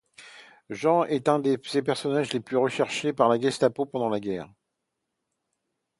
Jean est un des personnages les plus recherchés par la Gestapo pendant la guerre.